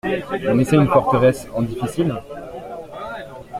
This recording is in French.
On essaie une forteresse en difficile?